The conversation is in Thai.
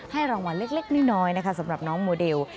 ให้รางวัลเล็กน้อยสำหรับน้องโมเดล